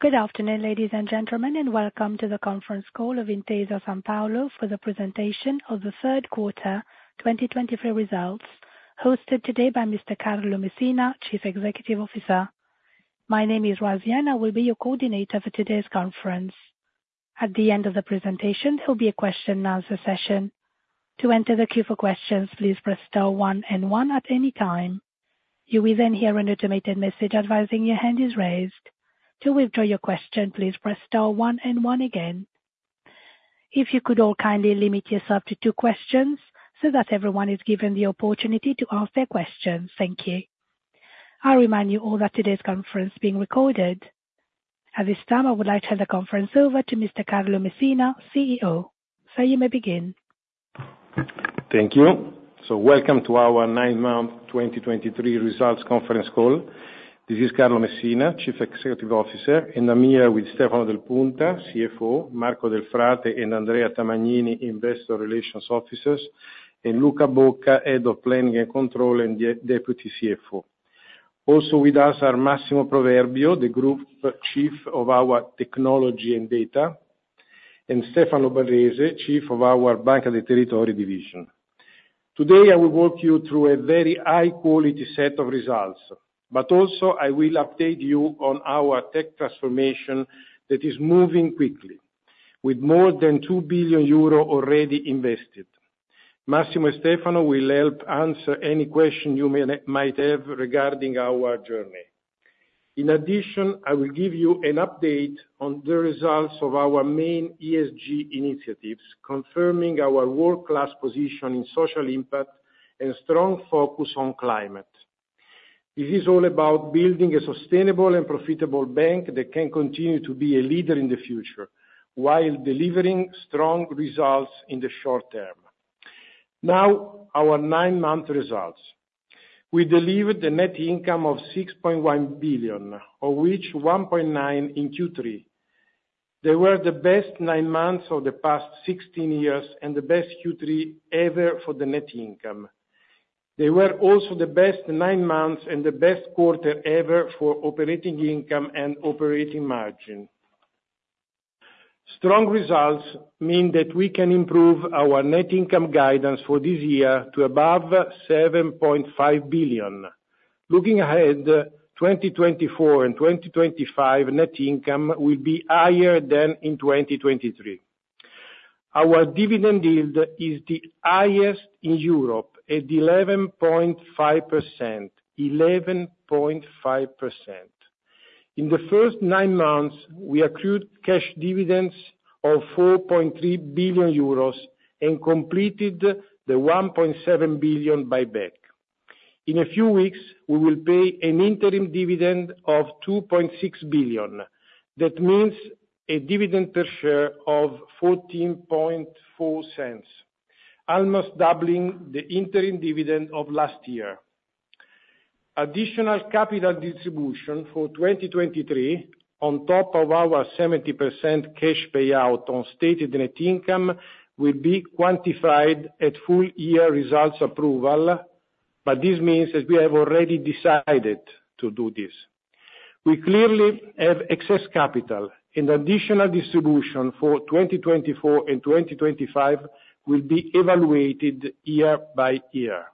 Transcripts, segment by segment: Good afternoon, ladies and gentlemen, and welcome to the conference call of Intesa Sanpaolo for the presentation of the Third Quarter 2023 Results, hosted today by Mr. Carlo Messina, Chief Executive Officer. My name is Razia, and I will be your coordinator for today's conference. At the end of the presentation, there'll be a question and answer session. To enter the queue for questions, please press star one and one at any time. You will then hear an automated message advising your hand is raised. To withdraw your question, please press star one and one again. If you could all kindly limit yourself to two questions, so that everyone is given the opportunity to ask their questions. Thank you. I remind you all that today's conference is being recorded. At this time, I would like to hand the conference over to Mr. Carlo Messina, CEO. Sir, you may begin. Thank you. So welcome to our nine month 2023 results conference call. This is Carlo Messina, Chief Executive Officer, and I'm here with Stefano Del Punta, CFO; Marco Delfrate and Andrea Tamagnini, investor relations officers; and Luca Bocca, Head of Planning and Control and the Deputy CFO. Also with us are Massimo Proverbio, the Group Chief of our Technology and Data, and Stefano Barrese, Chief of our Banca dei Territori division. Today, I will walk you through a very high-quality set of results, but also I will update you on our tech transformation that is moving quickly, with more than 2 billion euro already invested. Massimo and Stefano will help answer any question you may, might have regarding our journey. In addition, I will give you an update on the results of our main ESG initiatives, confirming our world-class position in social impact and strong focus on climate. This is all about building a sustainable and profitable bank that can continue to be a leader in the future, while delivering strong results in the short term. Now, our nine month results. We delivered a net income of 6.1 billion, of which 1.9 billion in Q3. They were the best nine months of the past 16 years and the best Q3 ever for the net income. They were also the best nine months and the best quarter ever for operating income and operating margin. Strong results mean that we can improve our net income guidance for this year to above 7.5 billion. Looking ahead, 2024 and 2025 net income will be higher than in 2023. Our dividend yield is the highest in Europe at 11.5%, 11.5%. In the first nine months, we accrued cash dividends of 4.3 billion euros and completed the 1.7 billion buyback. In a few weeks, we will pay an interim dividend of 2.6 billion. That means a dividend per share of 0.144, almost doubling the interim dividend of last year. Additional capital distribution for 2023, on top of our 70% cash payout on stated net income, will be quantified at full year results approval, but this means that we have already decided to do this. We clearly have excess capital, and additional distribution for 2024 and 2025 will be evaluated year by year.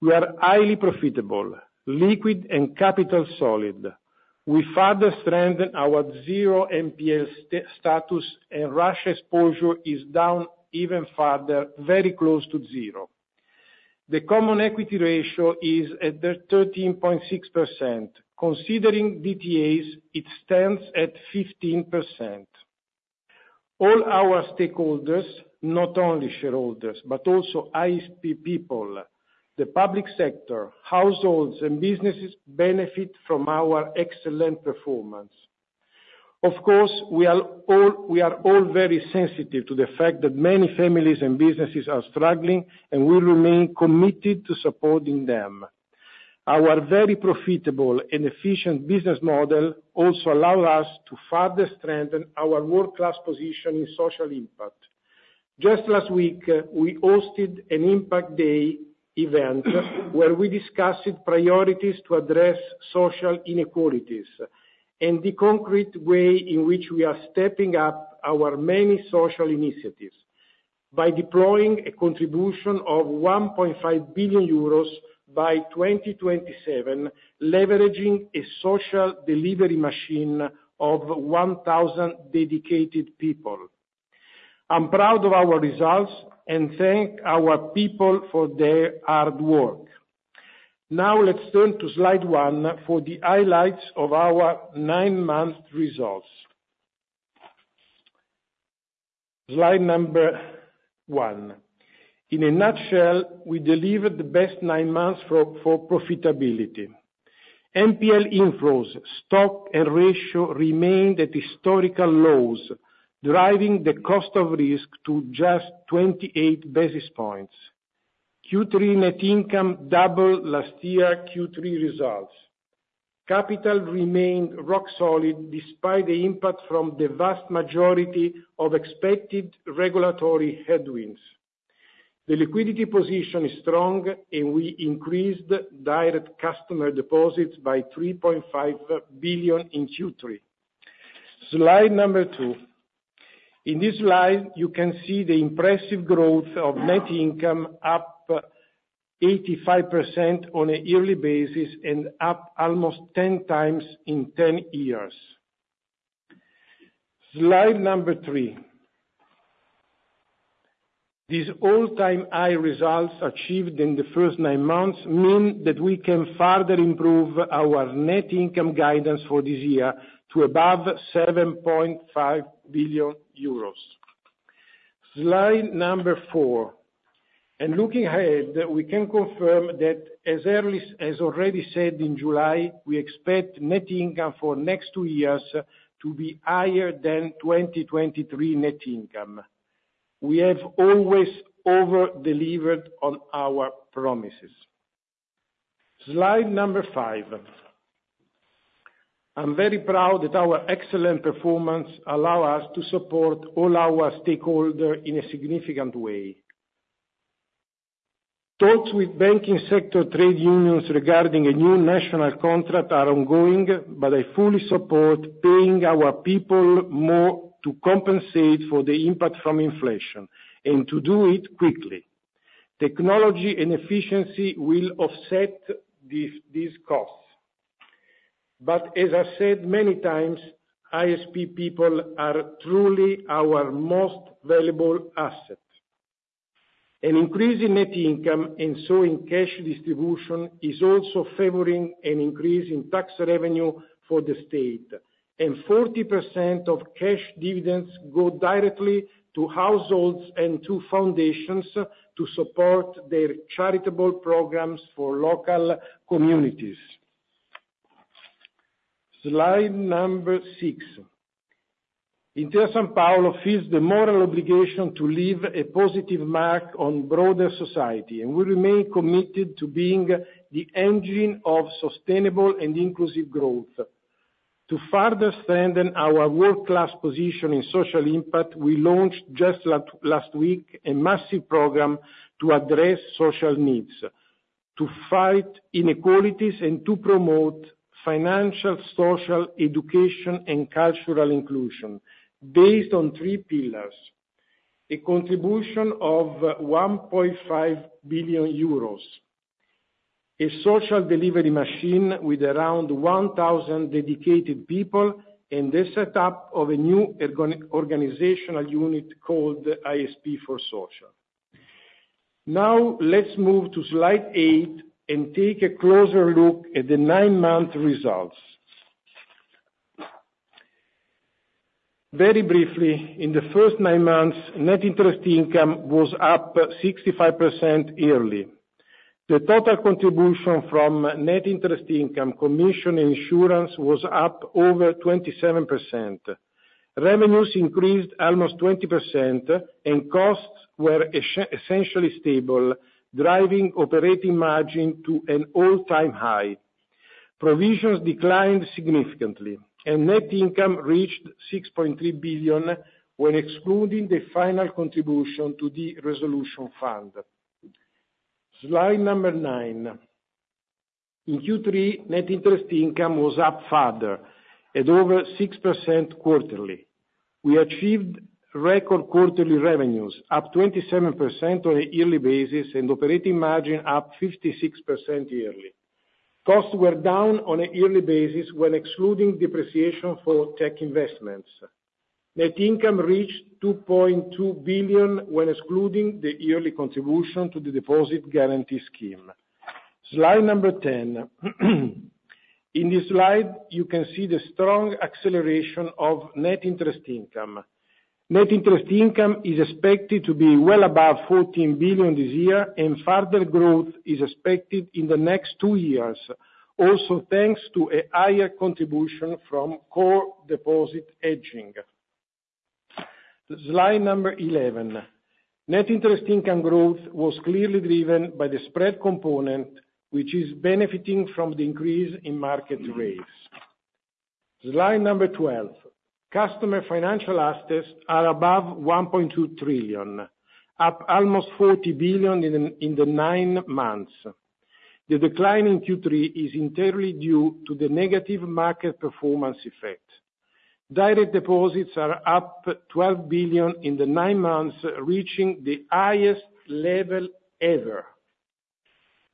We are highly profitable, liquid, and capital solid. We further strengthen our zero-NPL status, and Russia exposure is down even further, very close to zero. The common equity ratio is at 13.6%. Considering DTAs, it stands at 15%. All our stakeholders, not only shareholders, but also ISP people, the public sector, households, and businesses, benefit from our excellent performance. Of course, we are all, we are all very sensitive to the fact that many families and businesses are struggling, and we remain committed to supporting them. Our very profitable and efficient business model also allow us to further strengthen our world-class position in social impact. Just last week, we hosted an Impact Day event where we discussed priorities to address social inequalities and the concrete way in which we are stepping up our many social initiatives by deploying a contribution of 1.5 billion euros by 2027, leveraging a social delivery machine of 1,000 dedicated people. I'm proud of our results and thank our people for their hard work. Now, let's turn to Slide one for the highlights of our nine month results. Slide number one. In a nutshell, we delivered the best nine months for profitability. NPL inflows, stock and ratio remained at historical lows, driving the cost of risk to just 28 basis points. Q3 net income doubled last year Q3 results. Capital remained rock solid despite the impact from the vast majority of expected regulatory headwinds. The liquidity position is strong, and we increased direct customer deposits by 3.5 billion in Q3. Slide number two. In this slide, you can see the impressive growth of net income, up 85% on a yearly basis and up almost 10 times in 10 years. Slide number three. These all-time high results achieved in the first nine months mean that we can further improve our net income guidance for this year to above 7.5 billion euros. Slide four, and looking ahead, we can confirm that as early, as already said in July, we expect net income for next two years to be higher than 2023 net income. We have always over-delivered on our promises. Slide five. I'm very proud that our excellent performance allow us to support all our stakeholder in a significant way. Talks with banking sector trade unions regarding a new national contract are ongoing, but I fully support paying our people more to compensate for the impact from inflation and to do it quickly. Technology and efficiency will offset these, these costs. But as I said many times, ISP people are truly our most valuable asset. An increase in net income, and so in cash distribution, is also favoring an increase in tax revenue for the state, and 40% of cash dividends go directly to households and to foundations to support their charitable programs for local communities. Slide number six. Intesa Sanpaolo feels the moral obligation to leave a positive mark on broader society, and we remain committed to being the engine of sustainable and inclusive growth. To further strengthen our world-class position in social impact, we launched just last week a massive program to address social needs, to fight inequalities, and to promote financial, social, education, and cultural inclusion based on three pillars: a contribution of 1.5 billion euros, a social delivery machine with around 1,000 dedicated people, and the setup of a new organizational unit called ISP for Social. Now, let's move to Slide eight and take a closer look at the nine-month results. Very briefly, in the first nine months, net interest income was up 65% yearly. The total contribution from net interest income, commission, and insurance was up over 27%. Revenues increased almost 20%, and costs were essentially stable, driving operating margin to an all-time high. Provisions declined significantly, and net income reached 6.3 billion when excluding the final contribution to the resolution fund. Slide nine. In Q3, net interest income was up further, at over 6% quarterly. We achieved record quarterly revenues, up 27% on a yearly basis, and operating margin up 56% yearly. Costs were down on a yearly basis when excluding depreciation for tech investments. Net income reached 2.2 billion when excluding the yearly contribution to the deposit guarantee scheme. Slide number 10. In this slide, you can see the strong acceleration of net interest income. Net interest income is expected to be well above 14 billion this year, and further growth is expected in the next two years, also thanks to a higher contribution from core deposit hedging. Slide number 11. Net interest income growth was clearly driven by the spread component, which is benefiting from the increase in market rates. Slide number 12. Customer financial assets are above 1.2 trillion, up almost 40 billion in the nine months. The decline in Q3 is entirely due to the negative market performance effect. Direct deposits are up 12 billion in the nine months, reaching the highest level ever.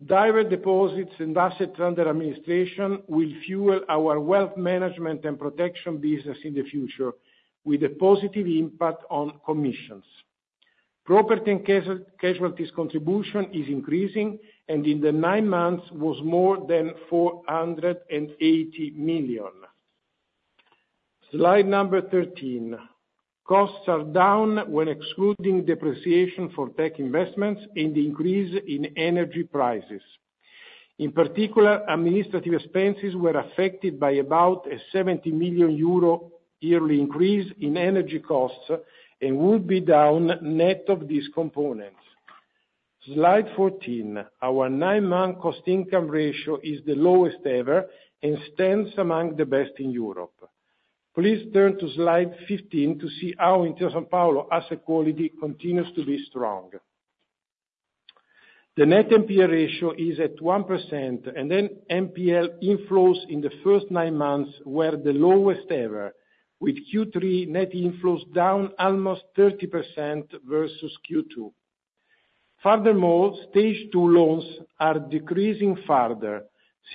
Direct deposits and assets under administration will fuel our wealth management and protection business in the future, with a positive impact on commissions. Property and casualty contribution is increasing, and in the nine months, was more than 480 million. Slide 13. Costs are down when excluding depreciation for tech investments and the increase in energy prices. In particular, administrative expenses were affected by about a 70 million euro yearly increase in energy costs and would be down net of these components. Slide 14. Our nine-month cost income ratio is the lowest ever and stands among the best in Europe. Please turn to Slide 15 to see how Intesa Sanpaolo asset quality continues to be strong. The net NPL ratio is at 1%, and then NPL inflows in the first nine months were the lowest ever, with Q3 net inflows down almost 30% versus Q2. Furthermore, Stage 2 loans are decreasing further,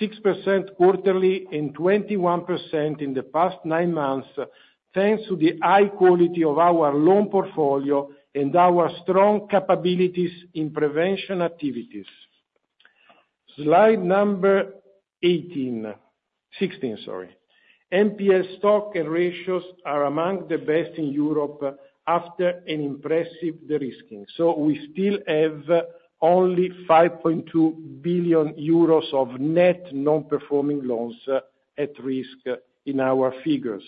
6% quarterly and 21% in the past nine months, thanks to the high quality of our loan portfolio and our strong capabilities in prevention activities. Slide number 18, 16, sorry. NPL stock and ratios are among the best in Europe after an impressive de-risking, so we still have only 5.2 billion euros of net non-performing loans at risk in our figures.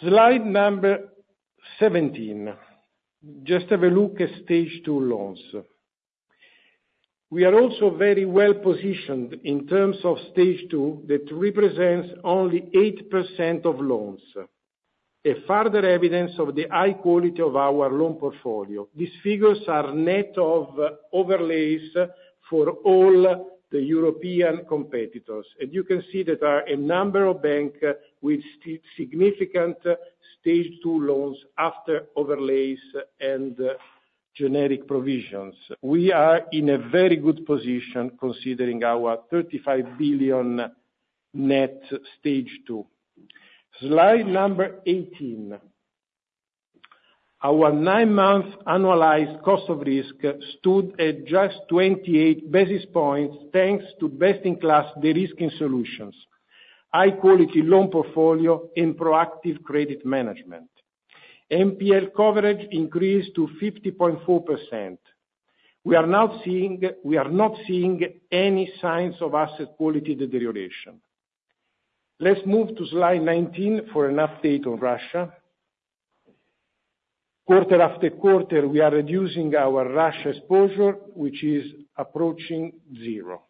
Slide number 17. Just have a look at Stage 2 loans. We are also very well-positioned in terms of Stage 2, that represents only 8% of loans, a further evidence of the high quality of our loan portfolio. These figures are net of overlays for all the European competitors, and you can see there are a number of banks with significant Stage 2 loans after overlays and generic provisions. We are in a very good position, considering our 35 billion net Stage 2. Slide 18. Our nine month annualized cost of risk stood at just 28 basis points, thanks to best-in-class de-risking solutions, high quality loan portfolio, and proactive credit management. NPL coverage increased to 50.4%. We are now seeing, we are not seeing any signs of asset quality deterioration. Let's move to slide 19 for an update on Russia. Quarter after quarter, we are reducing our Russia exposure, which is approaching zero.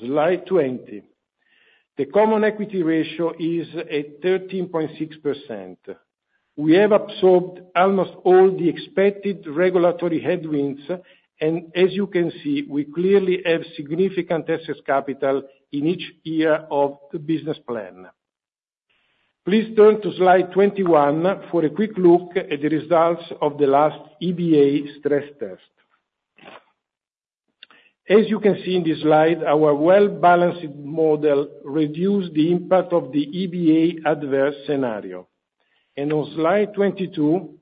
Slide 20. The common equity ratio is at 13.6%. We have absorbed almost all the expected regulatory headwinds, and as you can see, we clearly have significant excess capital in each year of the business plan. Please turn to Slide 21 for a quick look at the results of the last EBA stress test. As you can see in this slide, our well-balanced model reduced the impact of the EBA adverse scenario. On Slide 22,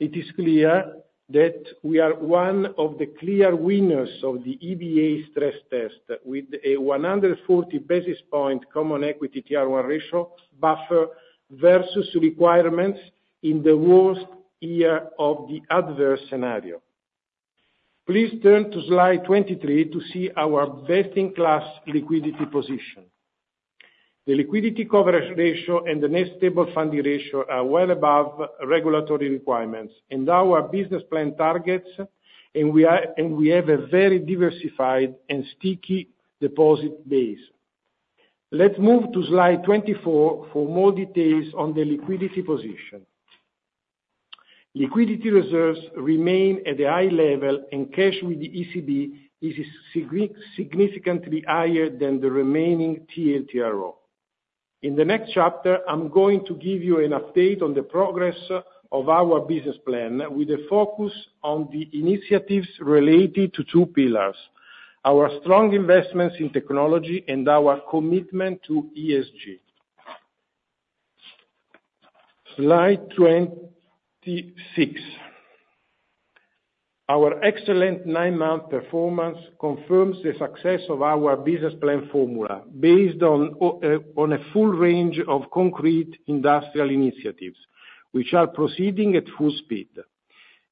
it is clear that we are one of the clear winners of the EBA stress test, with a 140 basis point common equity Tier 1 ratio buffer versus requirements in the worst year of the adverse scenario. Please turn to Slide 23 to see our best-in-class liquidity position. The liquidity coverage ratio and the net stable funding ratio are well above regulatory requirements and our business plan targets, and we are, and we have a very diversified and sticky deposit base. Let's move to Slide 24 for more details on the liquidity position. Liquidity reserves remain at a high level, and cash with the ECB is significantly higher than the remaining TLTRO. In the next chapter, I'm going to give you an update on the progress of our business plan, with a focus on the initiatives related to two pillars: our strong investments in technology and our commitment to ESG. Slide 26. Our excellent nine-month performance confirms the success of our business plan formula, based on, on a full range of concrete industrial initiatives, which are proceeding at full speed.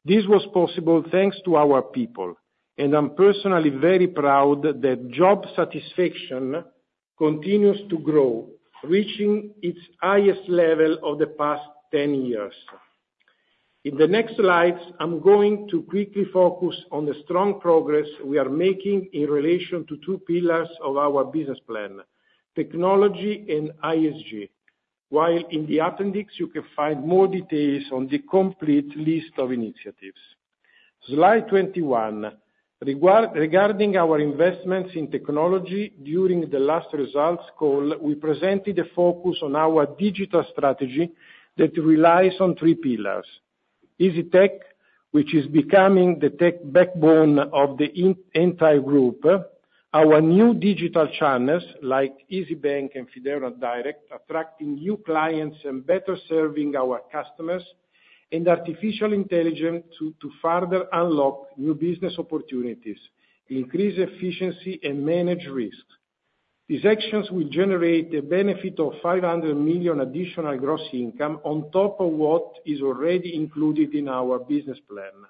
This was possible thanks to our people, and I'm personally very proud that job satisfaction continues to grow, reaching its highest level of the past 10 years. In the next slides, I'm going to quickly focus on the strong progress we are making in relation to two pillars of our business plan: technology and ESG. While in the appendix, you can find more details on the complete list of initiatives. Slide 21. Regarding our investments in technology, during the last results call, we presented a focus on our digital strategy that relies on three pillars: isybank, which is becoming the tech backbone of the entire group. Our new digital channels, like isybank and Fideuram Direct, attracting new clients and better serving our customers. And artificial intelligence to further unlock new business opportunities, increase efficiency, and manage risks. These actions will generate a benefit of 500 million additional gross income on top of what is already included in our business plan.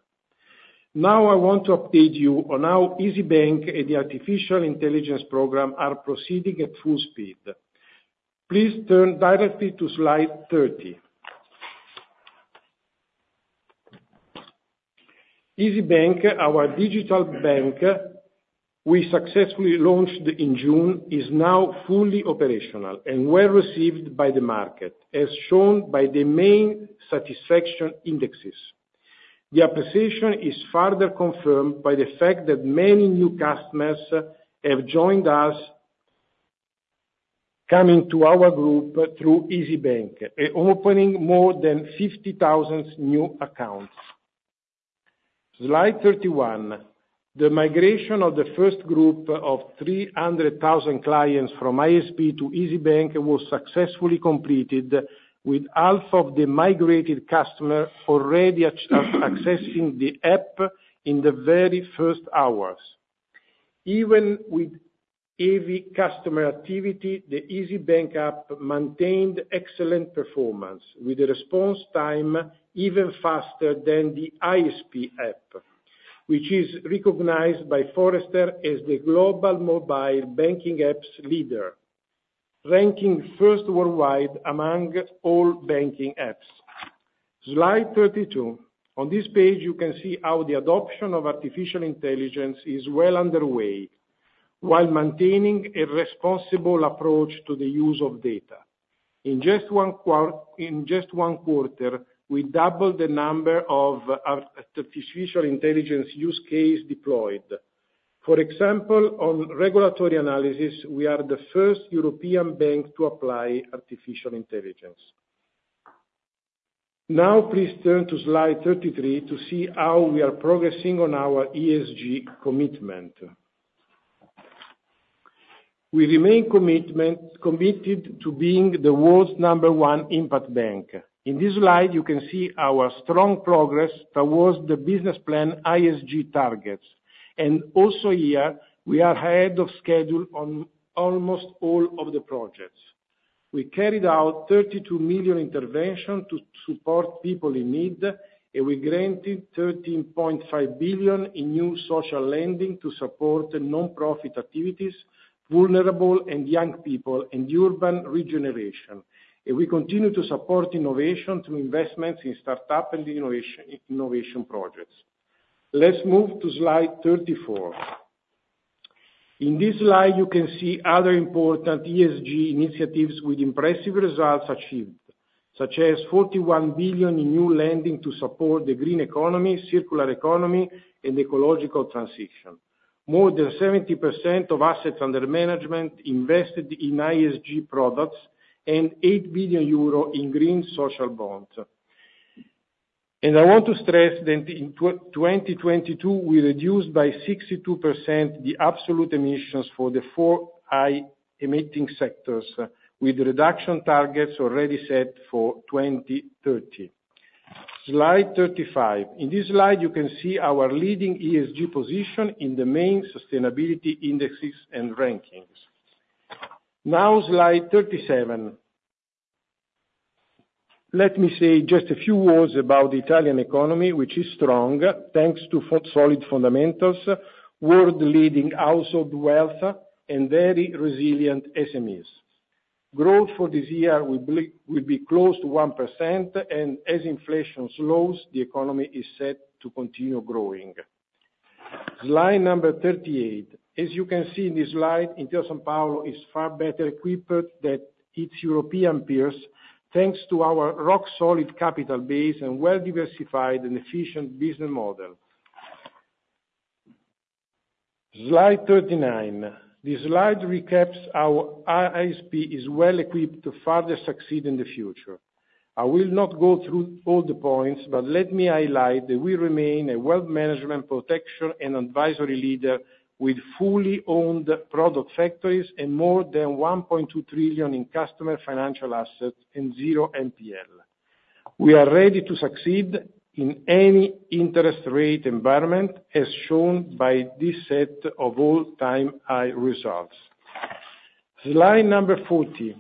Now, I want to update you on how isybank and the artificial intelligence program are proceeding at full speed. Please turn directly to Slide 30. Isybank, our digital bank, we successfully launched in June, is now fully operational and well received by the market, as shown by the main satisfaction indexes. The appreciation is further confirmed by the fact that many new customers have joined us, coming to our group through isybank, opening more than 50,000 new accounts. Slide 31. The migration of the first group of 300,000 clients from ISP to isybank was successfully completed, with half of the migrated customers already accessing the app in the very first hours. Even with heavy customer activity, the isybank app maintained excellent performance, with a response time even faster than the ISP app, which is recognized by Forrester as the global mobile banking apps leader, ranking first worldwide among all banking apps. Slide 32. On this page, you can see how the adoption of artificial intelligence is well underway, while maintaining a responsible approach to the use of data. In just one quarter, we doubled the number of artificial intelligence use cases deployed. For example, on regulatory analysis, we are the first European bank to apply artificial intelligence. Now, please turn to Slide 33 to see how we are progressing on our ESG commitment. We remain committed to being the world's number one impact bank. In this slide, you can see our strong progress towards the business plan ESG targets, and also here, we are ahead of schedule on almost all of the projects. We carried out 32 million interventions to support people in need, and we granted 13.5 billion in new social lending to support nonprofit activities, vulnerable and young people, and urban regeneration, and we continue to support innovation through investments in startups and innovation projects. Let's move to Slide 34. In this slide, you can see other important ESG initiatives with impressive results achieved, such as 41 billion in new lending to support the green economy, circular economy, and ecological transition. More than 70% of assets under management invested in ESG products, and 8 billion euro in green social bonds. I want to stress that in 2022, we reduced by 62% the absolute emissions for the four high-emitting sectors, with reduction targets already set for 2030. Slide 35. In this slide, you can see our leading ESG position in the main sustainability indexes and rankings. Now, Slide 37. Let me say just a few words about the Italian economy, which is strong, thanks to solid fundamentals, world-leading household wealth, and very resilient SMEs. Growth for this year will be close to 1%, and as inflation slows, the economy is set to continue growing. Slide number 38. As you can see in this slide, Intesa Sanpaolo is far better equipped than its European peers, thanks to our rock-solid capital base and well-diversified and efficient business model. Slide 39. This slide recaps how ISP is well equipped to further succeed in the future. I will not go through all the points, but let me highlight that we remain a wealth management protection and advisory leader with fully owned product factories and more than 1.2 trillion in customer financial assets and zero NPL. We are ready to succeed in any interest rate environment, as shown by this set of all-time high results. Slide number 40.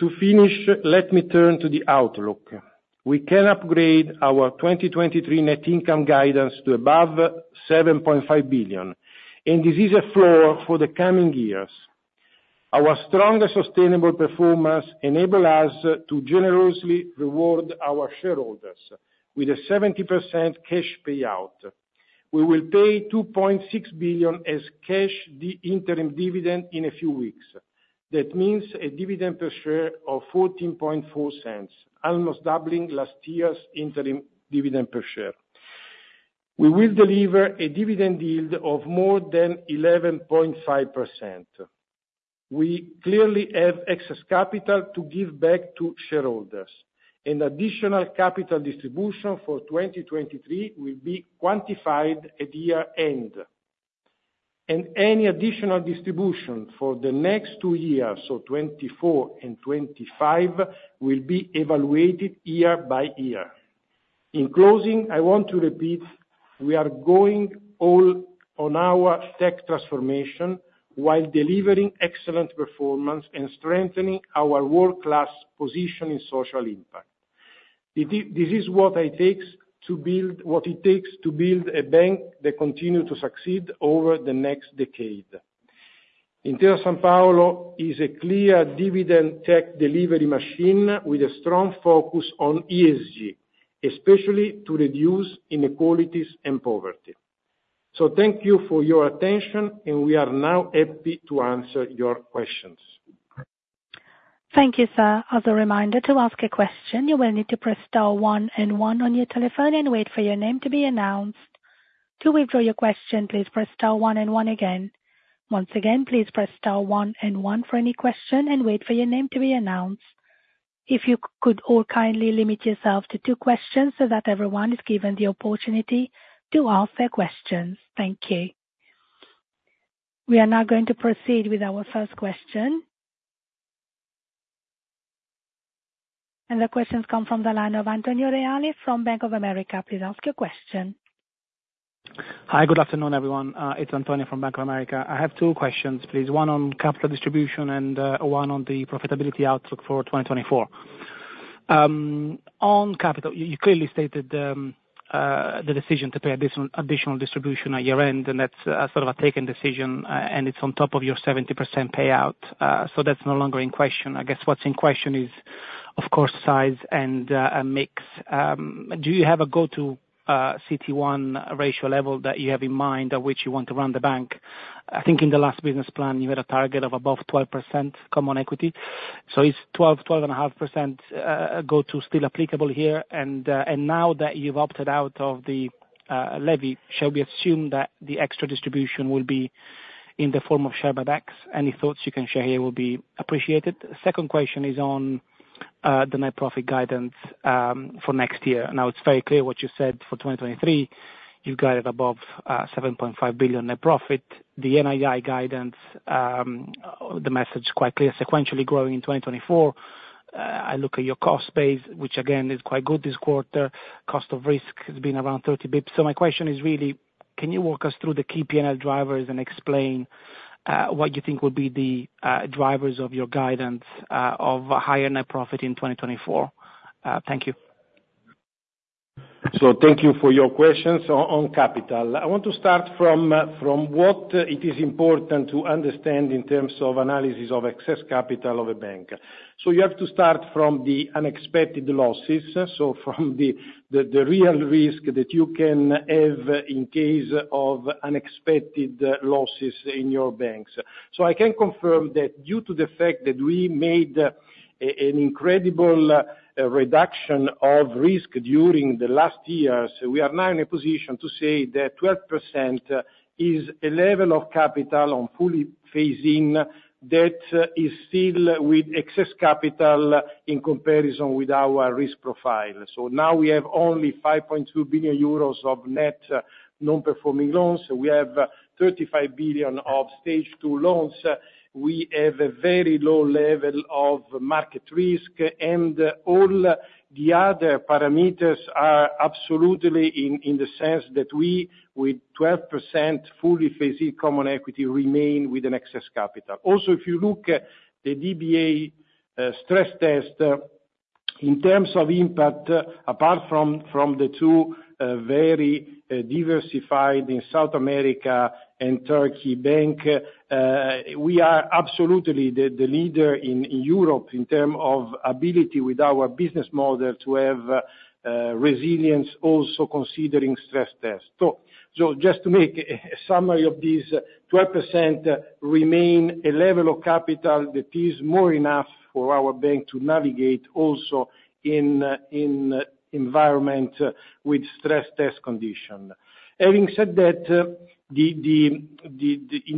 To finish, let me turn to the outlook. We can upgrade our 2023 net income guidance to above 7.5 billion, and this is a floor for the coming years. Our strong and sustainable performance enable us to generously reward our shareholders with a 70% cash payout. We will pay 2.6 billion as cash interim dividend in a few weeks. That means a dividend per share of 0.144, almost doubling last year's interim dividend per share. We will deliver a dividend yield of more than 11.5%. We clearly have excess capital to give back to shareholders. An additional capital distribution for 2023 will be quantified at year-end, and any additional distribution for the next two years, so 2024 and 2025, will be evaluated year by year. In closing, I want to repeat, we are going all on our tech transformation while delivering excellent performance and strengthening our world-class position in social impact. This is what it takes to build a bank that continue to succeed over the next decade. Intesa Sanpaolo is a clear dividend tech delivery machine with a strong focus on ESG, especially to reduce inequalities and poverty. So thank you for your attention, and we are now happy to answer your questions. Thank you, sir. As a reminder, to ask a question, you will need to press star one and one on your telephone and wait for your name to be announced. To withdraw your question, please press star one and one again. Once again, please press star one and one for any question and wait for your name to be announced. If you could all kindly limit yourself to two questions so that everyone is given the opportunity to ask their questions. Thank you. We are now going to proceed with our first question. And the question comes from the line of Antonio Reale from Bank of America. Please ask your question. Hi, good afternoon, everyone. It's Antonio from Bank of America. I have two questions, please, one on capital distribution and one on the profitability outlook for 2024. On capital, you clearly stated the decision to pay additional distribution at year-end, and that's sort of a taken decision, and it's on top of your 70% payout, so that's no longer in question. I guess what's in question is, of course, size and and mix. Do you have a go-to CET1 ratio level that you have in mind at which you want to run the bank? I think in the last business plan, you had a target of above 12% common equity. So is 12% to 12.5% go-to still applicable here? Now that you've opted out of the levy, shall we assume that the extra distribution will be in the form of share buybacks? Any thoughts you can share here will be appreciated. Second question is on the net profit guidance for next year. Now, it's very clear what you said for 2023. You've guided above 7.5 billion net profit. The NII guidance, the message quite clear, sequentially growing in 2024. I look at your cost base, which again is quite good this quarter. Cost of risk has been around 30 basis points. So my question is really, can you walk us through the key P&L drivers and explain what you think will be the drivers of your guidance of a higher net profit in 2024? Thank you. So thank you for your questions. So on capital, I want to start from what it is important to understand in terms of analysis of excess capital of a bank. So you have to start from the unexpected losses, so from the real risk that you can have in case of unexpected losses in your banks. So I can confirm that due to the fact that we made an incredible reduction of risk during the last years, we are now in a position to say that 12% is a level of capital on fully phasing that is still with excess capital in comparison with our risk profile. So now we have only 5.2 billion euros of net non-performing loans. We have 35 billion of Stage 2 loans. We have a very low level of market risk, and all the other parameters are absolutely in the sense that we, with 12% fully phasing common equity, remain with an excess capital. Also, if you look at the EBA stress test, in terms of impact, apart from the two very diversified in South America and Turkey, BNP, we are absolutely the leader in Europe in terms of ability with our business model to have resilience also considering stress test. So just to make a summary of this, 12% remain a level of capital that is more than enough for our bank to navigate also in environment with stress test condition. Having said that, in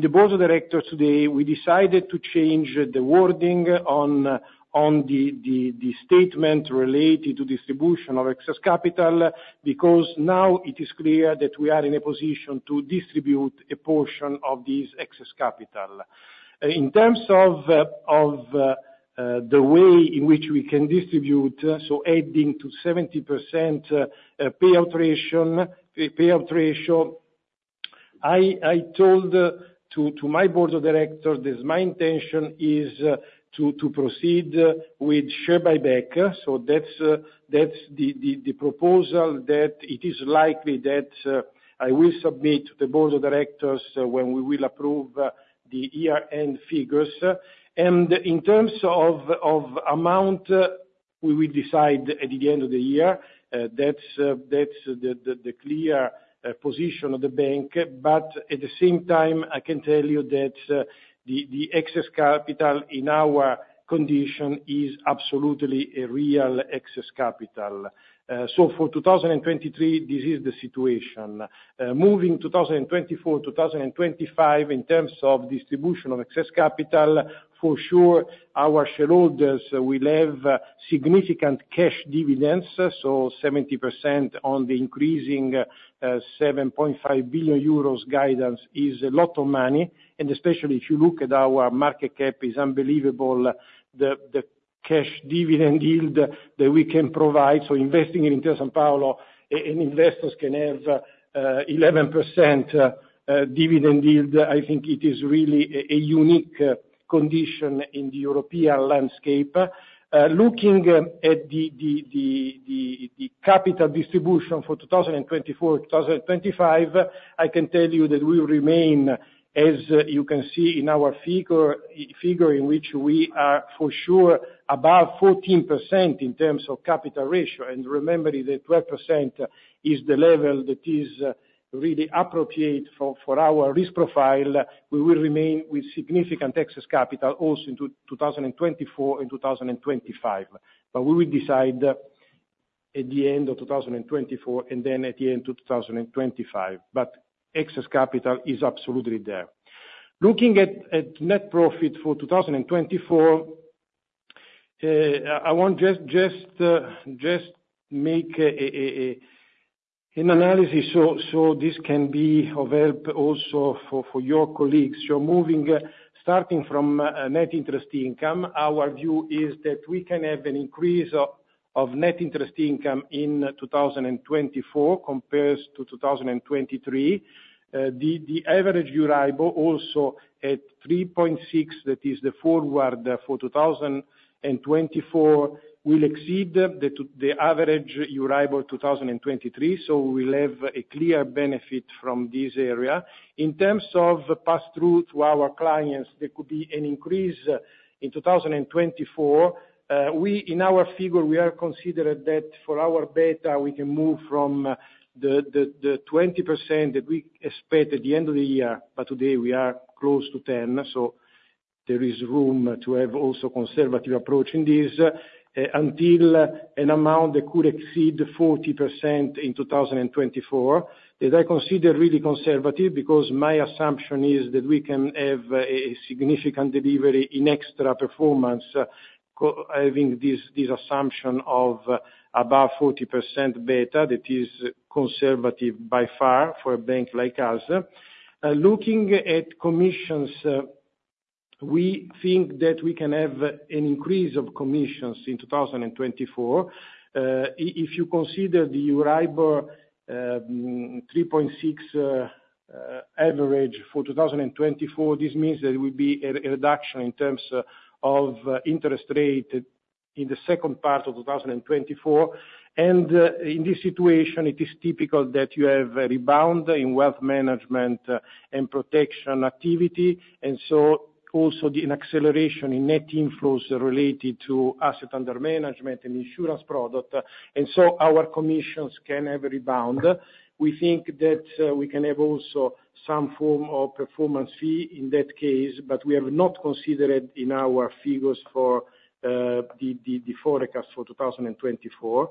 the board of directors today, we decided to change the wording on the statement related to distribution of excess capital, because now it is clear that we are in a position to distribute a portion of this excess capital. In terms of the way in which we can distribute, so adding to 70% payout ratio, I told to my board of directors that my intention is to proceed with share buyback. So that's the proposal that it is likely that I will submit to the board of directors when we will approve the year-end figures. And in terms of amount, we will decide at the end of the year. That's the clear position of the bank. But at the same time, I can tell you that the excess capital in our condition is absolutely a real excess capital. So for 2023, this is the situation. Moving 2024, 2025, in terms of distribution of excess capital, for sure, our shareholders will have significant cash dividends. So 70% on the increasing 7.5 billion euros guidance is a lot of money, and especially if you look at our market cap, it's unbelievable the cash dividend yield that we can provide. So investing in Intesa Sanpaolo, and investors can have 11% dividend yield. I think it is really a unique condition in the European landscape. Looking at the capital distribution for 2024, 2025, I can tell you that we will remain, as you can see in our figure, in which we are for sure above 14% in terms of capital ratio. And remembering that 12% is the level that is really appropriate for our risk profile, we will remain with significant excess capital also in 2024 and 2025. But we will decide at the end of 2024, and then at the end of 2025, but excess capital is absolutely there. Looking at net profit for 2024, I want just make an analysis, so this can be of help also for your colleagues. Starting from net interest income, our view is that we can have an increase of net interest income in 2024 compared to 2023. The average Euribor, also at 3.6, that is the forward for 2024, will exceed the average Euribor 2023, so we will have a clear benefit from this area. In terms of pass-through to our clients, there could be an increase in 2024. We, in our figure, we are considering that for our beta, we can move from the 20% that we expect at the end of the year, but today we are close to 10%, so there is room to have also conservative approach in this, until an amount that could exceed 40% in 2024. That I consider really conservative, because my assumption is that we can have a significant delivery in extra performance, even having this assumption of about 40% beta, that is conservative by far for a bank like us. Looking at commissions, we think that we can have an increase of commissions in 2024. If you consider the Euribor 3.6 average for 2024, this means that it will be a reduction in terms of interest rate in the second part of 2024. In this situation, it is typical that you have a rebound in wealth management and protection activity, and so also an acceleration in net inflows related to asset under management and insurance product, and so our commissions can have a rebound. We think that we can have also some form of performance fee in that case, but we have not considered in our figures for the forecast for 2024.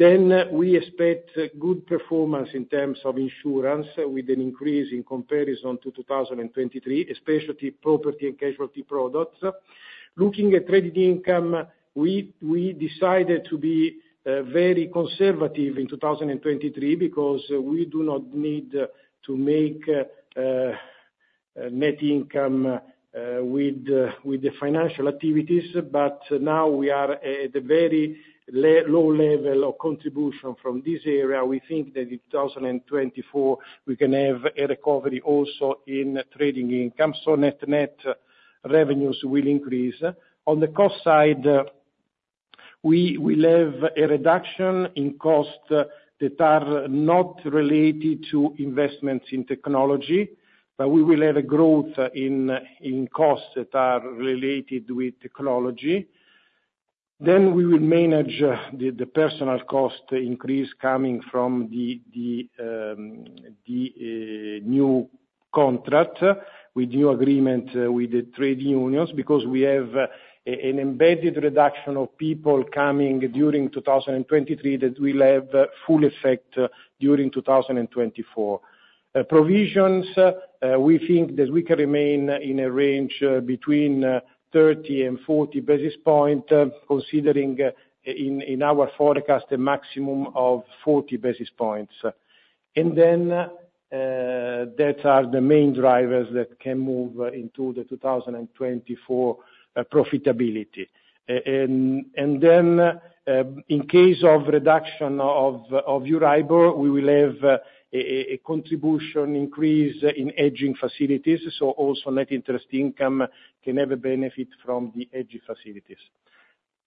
We expect good performance in terms of insurance, with an increase in comparison to 2023, especially property and casualty products. Looking at trading income, we decided to be very conservative in 2023, because we do not need to make net income with the financial activities. But now we are at a very low level of contribution from this area. We think that in 2024, we can have a recovery also in trading income, so net revenues will increase. On the cost side, we will have a reduction in costs that are not related to investments in technology, but we will have a growth in costs that are related with technology. Then we will manage the personal cost increase coming from the new contract with new agreement with the trade unions, because we have an embedded reduction of people coming during 2023 that will have full effect during 2024. Provisions, we think that we can remain in a range between 30 and 40 basis points, considering in our forecast a maximum of 40 basis points. And then, that are the main drivers that can move into the 2024 profitability. And then, in case of reduction of Euribor, we will have a contribution increase in hedging facilities, so also net interest income can have a benefit from the hedging facilities.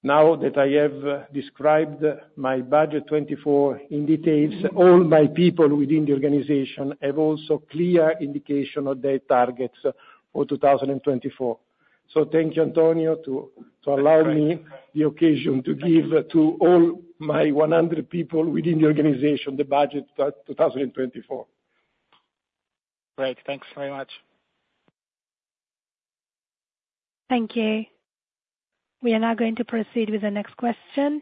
Now that I have described my budget 2024 in details, all my people within the organization have also clear indication of their targets for 2024. So thank you, Antonio, to allow me the occasion to give to all my 100 people within the organization, the budget for 2024. Great. Thanks very much. Thank you. We are now going to proceed with the next question.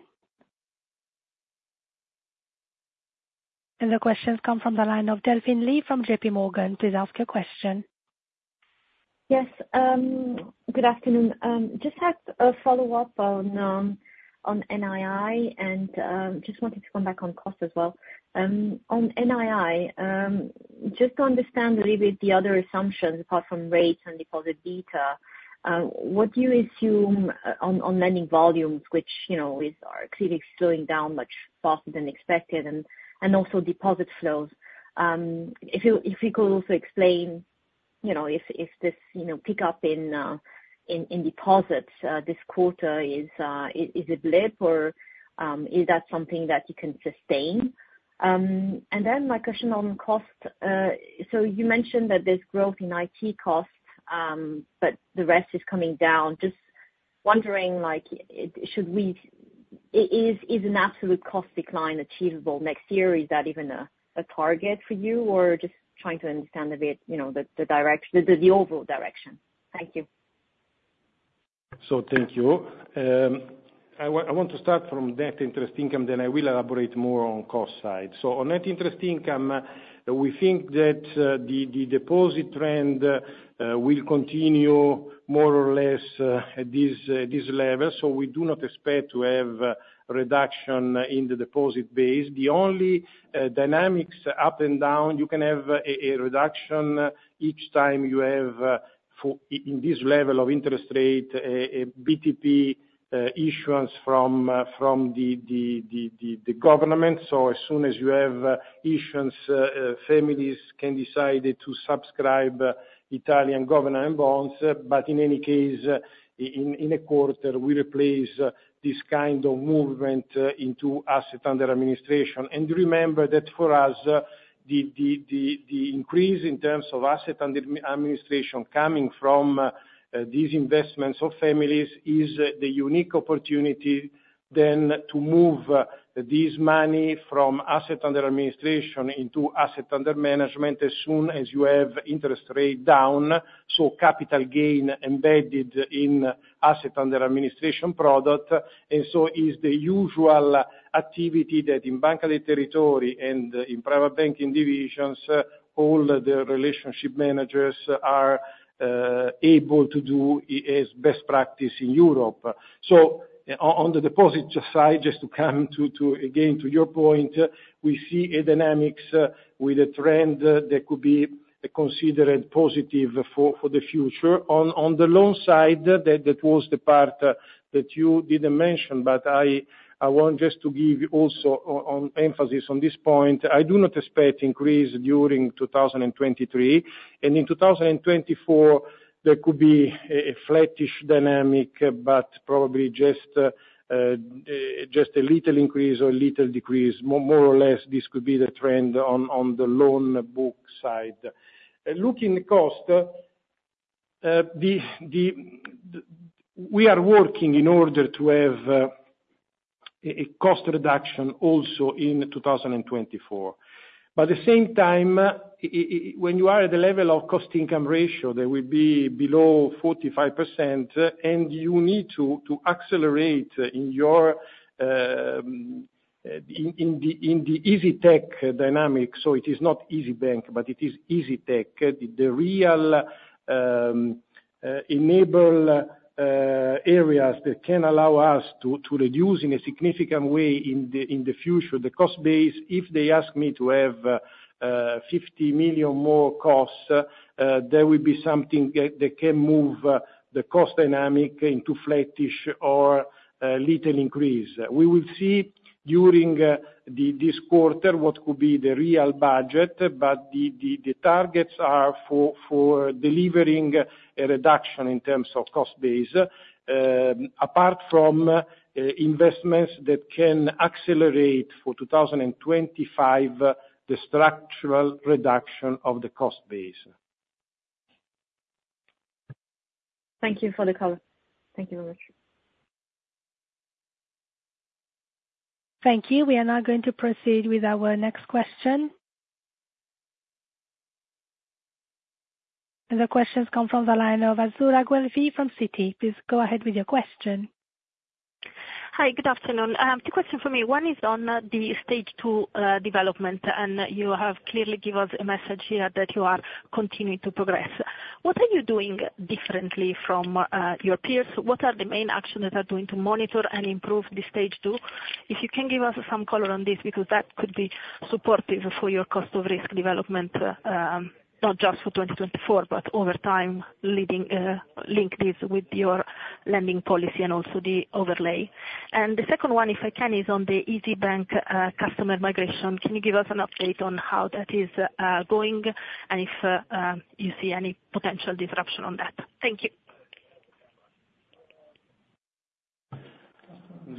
The question come from the line of Delphine Lee from JPMorgan. Please ask your question. Yes, good afternoon. Just had a follow-up on NII, and just wanted to come back on cost as well. On NII, just to understand a little bit the other assumptions, apart from rates and deposit beta, what do you assume on lending volumes, which, you know, are clearly slowing down much faster than expected, and also deposit flows? If you could also explain, you know, if this pick up in deposits this quarter is a blip or is that something that you can sustain? And then my question on cost, so you mentioned that there's growth in IT costs, but the rest is coming down. Just wondering, like, should we... Is an absolute cost decline achievable next year? Is that even a target for you, or just trying to understand a bit, you know, the direction, the overall direction? Thank you. So thank you. I want to start from net interest income, then I will elaborate more on cost side. On net interest income, we think that the deposit trend will continue more or less at this level, so we do not expect to have reduction in the deposit base. The only dynamics up and down you can have a reduction each time you have for in this level of interest rate a BTP issuance from the government. So as soon as you have issuance, families can decide to subscribe Italian government bonds. But in any case, in a quarter, we replace this kind of movement into asset under administration. And remember that for us, the increase in terms of assets under administration coming from these investments of families is the unique opportunity then to move this money from assets under administration into assets under management, as soon as you have interest rates down, so capital gain embedded in assets under administration product. And so is the usual activity that in Banca dei Territori and in private banking divisions all the relationship managers are able to do as best practice in Europe. So on the deposit side, just to come to your point again, we see a dynamics with a trend that could be considered positive for the future. On the loan side, that was the part that you didn't mention, but I want just to give also on emphasis on this point. I do not expect increase during 2023, and in 2024, there could be a flattish dynamic, but probably just a little increase or a little decrease. More or less, this could be the trend on the loan book side. Looking cost, we are working in order to have a cost reduction also in 2024. But at the same time, when you are at the level of cost income ratio, that will be below 45%, and you need to accelerate in your, in the isytech dynamic, so it is not isybank, but it is isytech. The real enable areas that can allow us to reduce in a significant way in the future, the cost base, if they ask me to have 50 million more costs, there will be something that can move the cost dynamic into flattish or little increase. We will see during this quarter what could be the real budget, but the targets are for delivering a reduction in terms of cost base, apart from investments that can accelerate for 2025, the structural reduction of the cost base. Thank you for the call. Thank you very much. Thank you. We are now going to proceed with our next question. The question comes from the line of Azzurra Guelfi from Citi. Please go ahead with your question. Hi, good afternoon. Two question for me. One is on the Stage 2 development, and you have clearly given us a message here that you are continuing to progress. What are you doing differently from your peers? What are the main actions that are doing to monitor and improve the Stage 2? If you can give us some color on this, because that could be supportive for your cost of risk development, not just for 2024, but over time, leading link this with your lending policy and also the overlay. And the second one, if I can, is on the isybank customer migration. Can you give us an update on how that is going, and if you see any potential disruption on that? Thank you.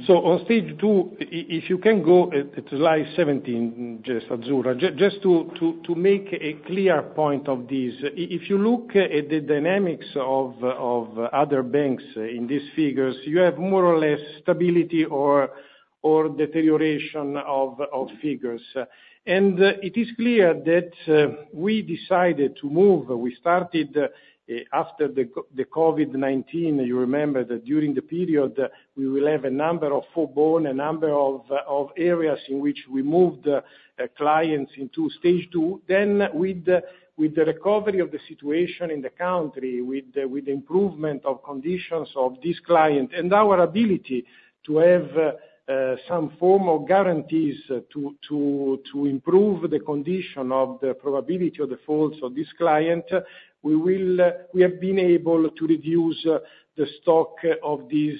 So on Stage 2, if you can go to Slide 17, just Azzurra. Just to make a clear point of this, if you look at the dynamics of other banks in these figures, you have more or less stability or deterioration of figures. And it is clear that we decided to move. We started after the COVID-19, you remember that during the period, we will have a number of forborne, a number of areas in which we moved clients into Stage 2. Then with the recovery of the situation in the country, with the improvement of conditions of this client and our ability to have some form of guarantees to improve the condition of the probability of defaults of this client, we have been able to reduce the stock of these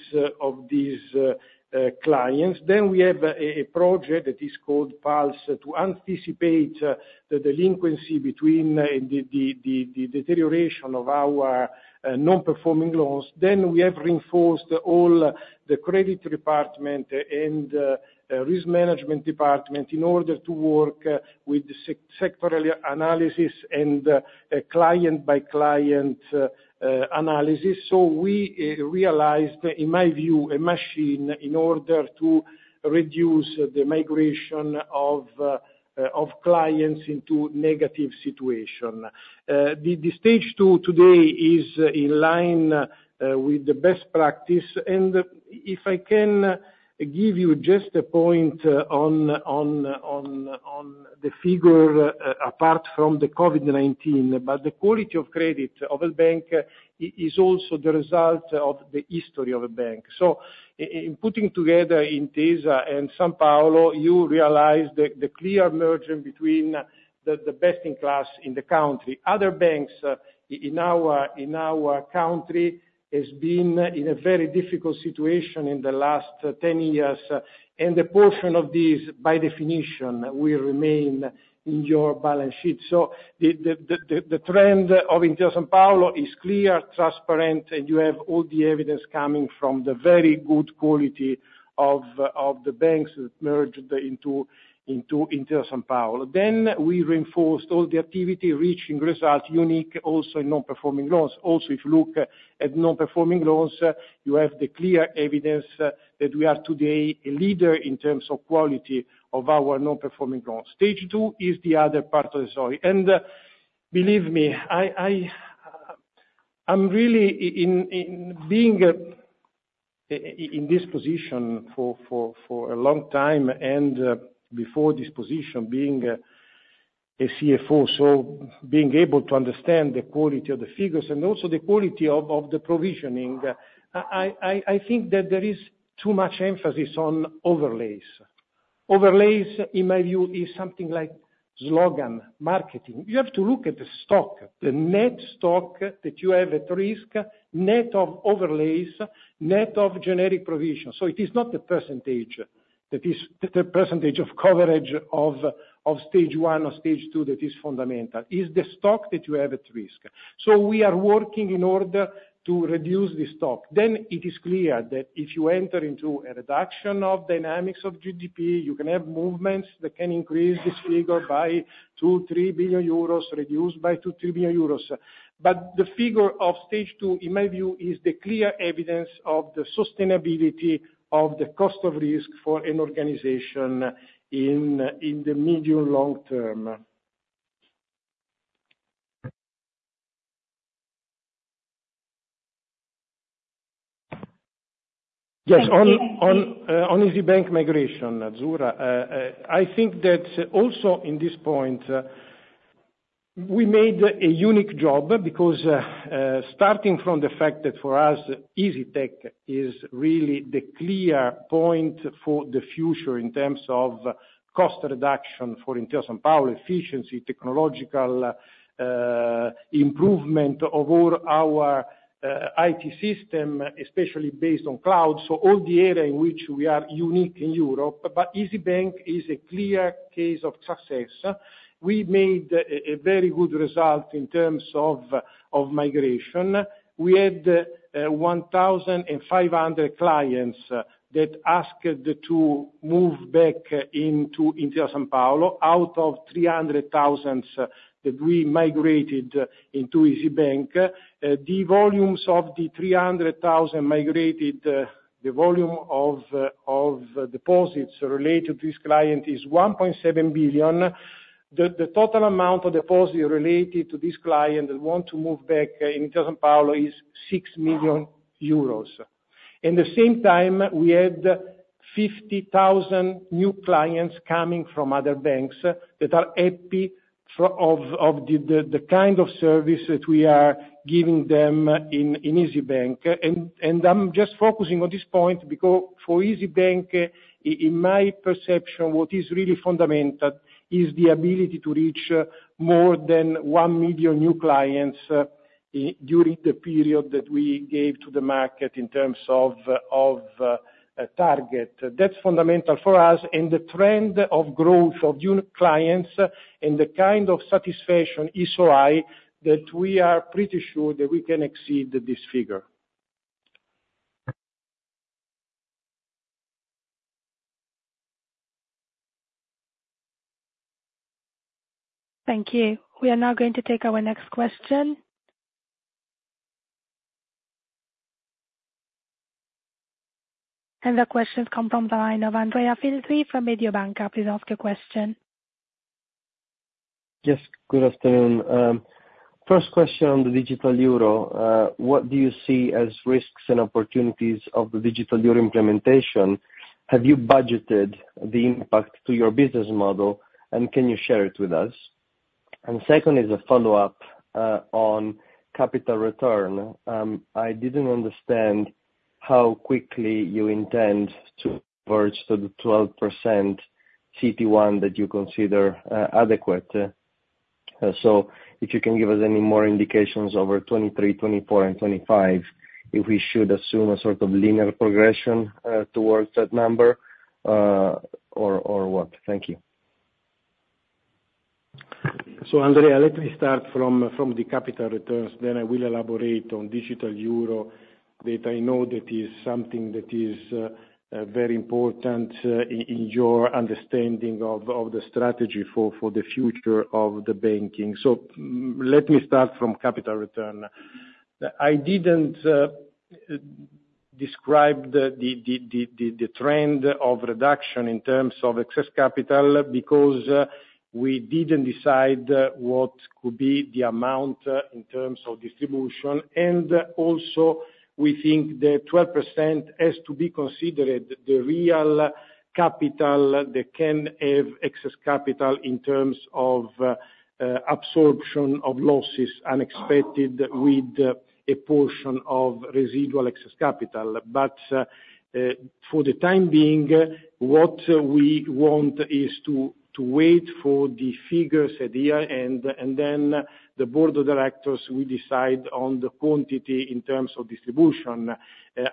clients. Then we have a project that is called Pulse, to anticipate the delinquency between the deterioration of our non-performing loans. Then we have reinforced all the credit department and risk management department in order to work with the sectoral analysis and a client-by-client analysis. So we realized, in my view, a machine in order to reduce the migration of clients into negative situation. The Stage 2 today is in line with the best practice. And if I can give you just a point on the figure, apart from the COVID-19, but the quality of credit of a bank is also the result of the history of a bank. So in putting together Intesa and Sanpaolo, you realize the clear merger between the best-in-class in the country. Other banks in our country has been in a very difficult situation in the last 10 years, and a portion of this, by definition, will remain in your balance sheet. So the trend of Intesa Sanpaolo is clear, transparent, and you have all the evidence coming from the very good quality of the banks that merged into Intesa Sanpaolo. Then we reinforced all the activity, reaching results unique, also in non-performing loans. Also, if you look at non-performing loans, you have the clear evidence that we are today a leader in terms of quality of our non-performing loans. Stage 2 is the other part of the story, and believe me, I'm really in being in this position for a long time and, before this position, being a CFO, so being able to understand the quality of the figures and also the quality of the provisioning, I think that there is too much emphasis on overlays. Overlays, in my view, is something like slogan marketing. You have to look at the stock, the net stock that you have at risk, net of overlays, net of generic provisions. So it is not the percentage of coverage of Stage 1 or Stage 2 that is fundamental; it's the stock that you have at risk. So we are working in order to reduce the stock. Then it is clear that if you enter into a reduction of dynamics of GDP, you can have movements that can increase this figure by 2-3 billion euros, reduced by 2-3 billion euros. But the figure of Stage 2, in my view, is the clear evidence of the sustainability of the cost of risk for an organization in the medium long term. Yes, on isybank migration, Azzurra, I think that also in this point, we made a unique job because, starting from the fact that for us, isytech is really the clear point for the future in terms of cost reduction for Intesa Sanpaolo, efficiency, technological improvement of all our IT system, especially based on cloud. So all the area in which we are unique in Europe, but isybank is a clear case of success. We made a very good result in terms of migration. We had 1,500 clients that asked to move back into Intesa Sanpaolo, out of 300,000 that we migrated into isybank. The volumes of the 300,000 migrated, the volume of deposits related to this client is 1.7 billion. The total amount of deposit related to this client that want to move back in Intesa Sanpaolo is 6 million euros. In the same time, we had 50,000 new clients coming from other banks that are happy for the kind of service that we are giving them in isybank. I'm just focusing on this point, because for isybank, in my perception, what is really fundamental is the ability to reach more than 1 million new clients during the period that we gave to the market in terms of a target. That's fundamental for us, and the trend of growth of new clients and the kind of satisfaction is so high, that we are pretty sure that we can exceed this figure. Thank you. We are now going to take our next question. The question come from the line of Andrea Filtri from Mediobanca. Please ask your question. Yes, good afternoon. First question on the digital euro. What do you see as risks and opportunities of the digital euro implementation? Have you budgeted the impact to your business model, and can you share it with us? And second is a follow-up on capital return. I didn't understand how quickly you intend to merge to the 12% CET1 that you consider adequate. So if you can give us any more indications over 2023, 2024, and 2025, if we should assume a sort of linear progression towards that number, or what? Thank you. So, Andrea, let me start from the capital returns, then I will elaborate on digital euro, that I know that is very important in your understanding of the strategy for the future of the banking. So let me start from capital return. I didn't describe the trend of reduction in terms of excess capital, because we didn't decide what could be the amount in terms of distribution. And also, we think that 12% has to be considered the real capital that can have excess capital in terms of absorption of losses unexpected with a portion of residual excess capital. But, for the time being, what we want is to wait for the figures at the end, and then the board of directors will decide on the quantity in terms of distribution.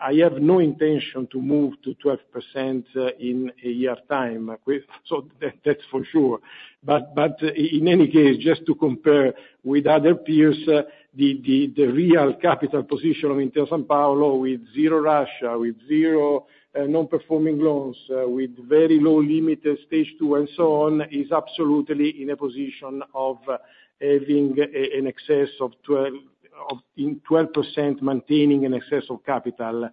I have no intention to move to 12%, in a year's time, so that's for sure. But, in any case, just to compare with other peers, the real capital position of Intesa Sanpaolo, with zero Russia, with zero non-performing loans, with very low limited Stage 2, and so on, is absolutely in a position of having an excess of 12%, maintaining an excess of capital.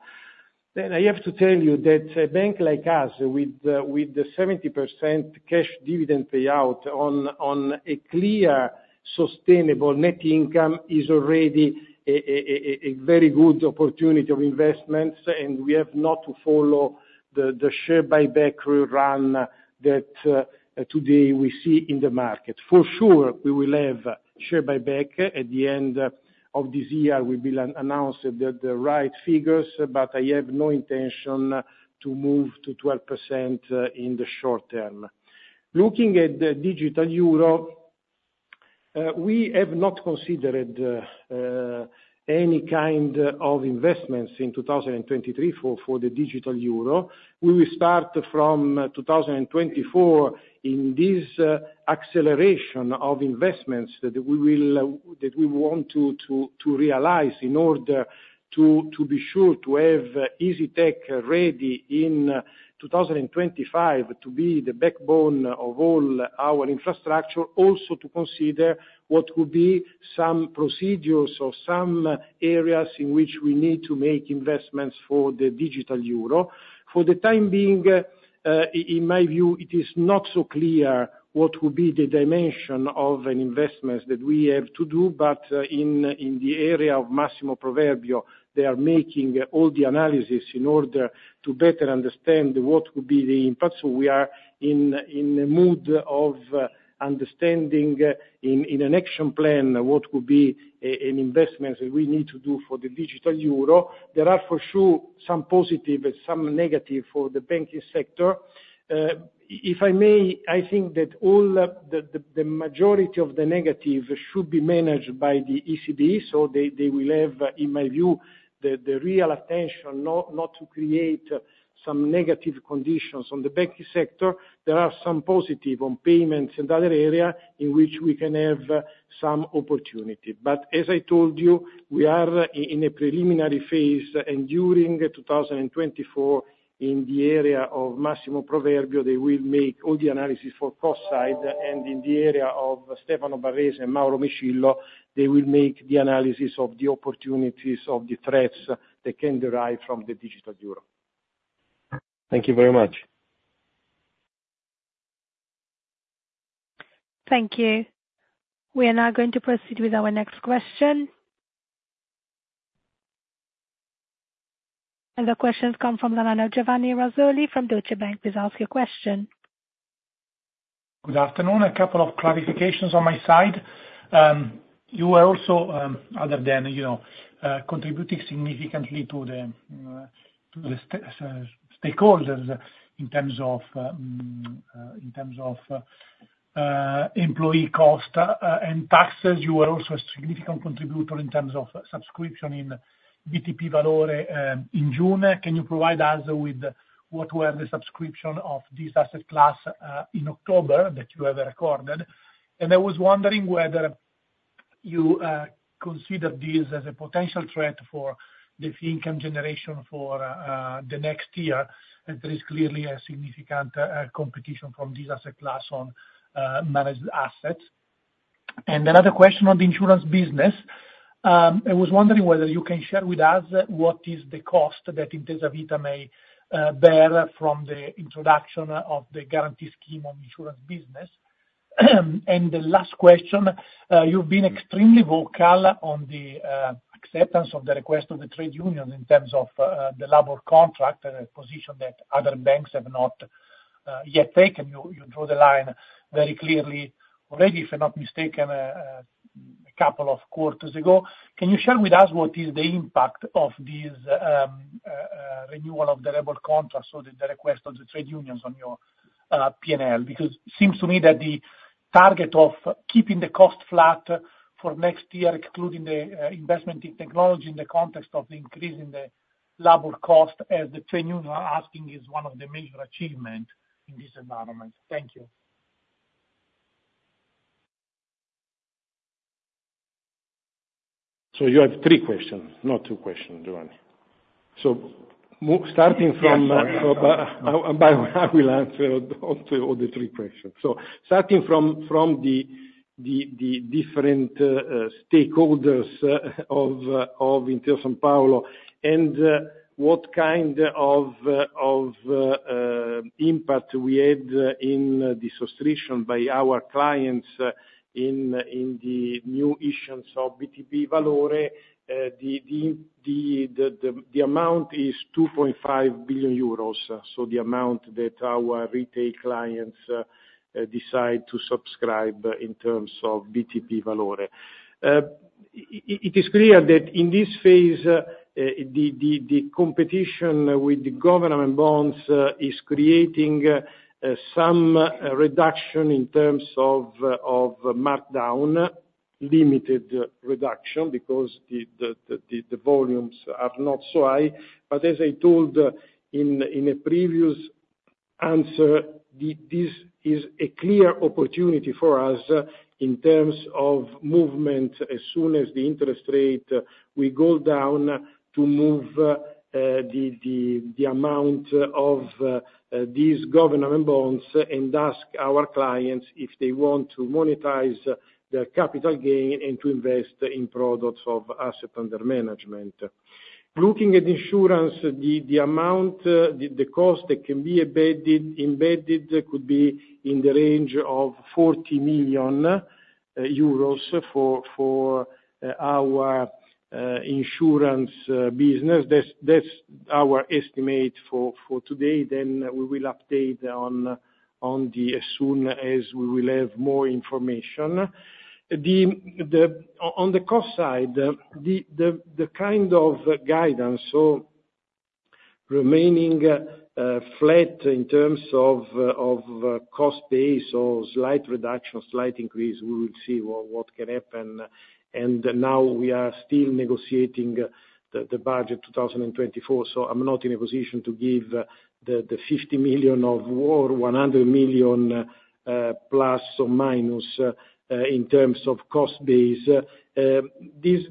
Then I have to tell you that a bank like us, with the 70% cash dividend payout on a clear, sustainable net income, is already a very good opportunity of investments, and we have not to follow the share buyback re-run that today we see in the market. For sure, we will have share buyback. At the end of this year, we will announce the right figures, but I have no intention to move to 12% in the short term. Looking at the digital euro, we have not considered any kind of investments in 2023 for the digital euro. We will start from 2024 in this acceleration of investments that we want to realize in order to be sure to have isytech ready in 2025, to be the backbone of all our infrastructure. Also, to consider what will be some procedures or some areas in which we need to make investments for the digital euro. For the time being, in my view, it is not so clear what will be the dimension of investments that we have to do, but in the area of Massimo Proverbio, they are making all the analysis in order to better understand what could be the impact. So we are in a mood of understanding, in an action plan, what could be an investment that we need to do for the digital euro. There are, for sure, some positive and some negative for the banking sector. If I may, I think that all the majority of the negative should be managed by the ECB, so they will have, in my view, the real attention, not to create some negative conditions on the banking sector. There are some positive on payments and other area in which we can have some opportunity. But as I told you, we are in a preliminary phase, and during 2024, in the area of Massimo Proverbio, they will make all the analysis for cross-side, and in the area of Stefano Barrese and Mauro Micillo, they will make the analysis of the opportunities of the threats that can derive from the digital euro. Thank you very much. Thank you. We are now going to proceed with our next question. The question comes from Milan, Giovanni Razzoli, from Deutsche Bank. Please ask your question. Good afternoon. A couple of clarifications on my side. You are also, other than, you know, contributing significantly to the stakeholders in terms of employee cost and taxes, a significant contributor in terms of subscription in BTP Valore in June. Can you provide us with what were the subscription of this asset class in October that you have recorded? And I was wondering whether you consider this as a potential threat for the fee income generation for the next year, that there is clearly a significant competition from this asset class on managed assets. And another question on the insurance business. I was wondering whether you can share with us what is the cost that Intesa Vita may bear from the introduction of the guarantee scheme on insurance business. And the last question, you've been extremely vocal on the acceptance of the request of the trade union in terms of the labor contract, a position that other banks have not yet taken. You draw the line very clearly already, if I'm not mistaken, a couple of quarters ago. Can you share with us what is the impact of this renewal of the labor contract or the request of the trade unions on your PNL? Because seems to me that the target of keeping the cost flat for next year, including the investment in technology, in the context of increasing the labor cost as the trade union are asking, is one of the major achievement in this environment. Thank you. So you have three questions, not two questions, Giovanni. So, starting from... Yes, sorry about that. But I will answer all three, all the three questions. So starting from the different stakeholders of Intesa Sanpaolo, and what kind of impact we had in the subscription by our clients in the new issues of BTP Valore, the amount is 2.5 billion euros, so the amount that our retail clients decide to subscribe in terms of BTP Valore. It is clear that in this phase the competition with the government bonds is creating some reduction in terms of markdown. Limited reduction, because the volumes are not so high. But as I told in a previous answer, this is a clear opportunity for us in terms of movement, as soon as the interest rate will go down, to move the amount of these government bonds, and ask our clients if they want to monetize the capital gain and to invest in products of asset under management. Looking at insurance, the amount, the cost that can be embedded could be in the range of EUR 40 million for our insurance business. That's our estimate for today, then we will update on as soon as we will have more information. On the cost side, the kind of guidance, so remaining flat in terms of cost base or slight reduction, slight increase, we will see what can happen. And now we are still negotiating the budget 2024, so I'm not in a position to give the 50 million or 100 million ± in terms of cost base. This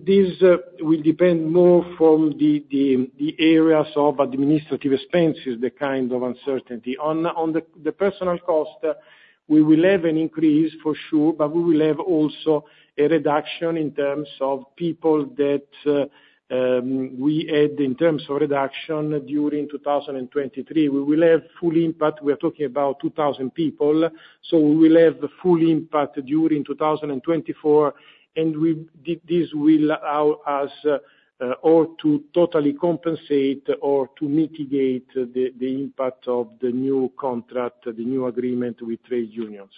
will depend more from the areas of administrative expenses, the kind of uncertainty. On the personnel cost, we will have an increase for sure, but we will have also a reduction in terms of people that we add in terms of reduction during 2023. We will have full impact, we are talking about 2,000 people, so we will have the full impact during 2024, and we, this will allow us, or to totally compensate or to mitigate the impact of the new contract, the new agreement with trade unions.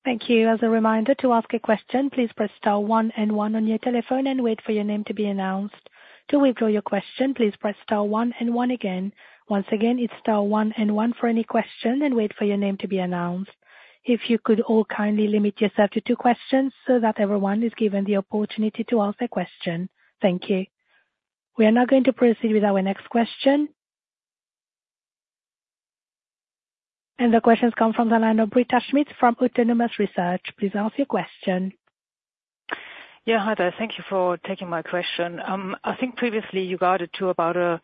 Thank you very much. Thank you. As a reminder, to ask a question, please press star one and one on your telephone and wait for your name to be announced. To withdraw your question, please press star one and one again. Once again, it's star one and one for any question, and wait for your name to be announced. If you could all kindly limit yourself to two questions, so that everyone is given the opportunity to ask a question. Thank you. We are now going to proceed with our next question. The question comes from the line of Britta Schmidt from Autonomous Research. Please ask your question. Yeah, hi there. Thank you for taking my question. I think previously you guided to about